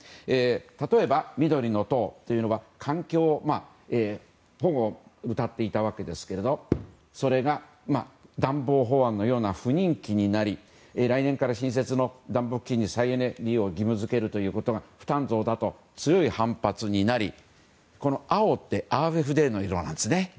例えば、緑の党は環境保護をうたっていましたがそれが暖房法案のような不人気になり来年から新設の暖房機に再エネ利用を義務付けるということが負担増だと強い反発になり青ってＡｆＤの色なんですね。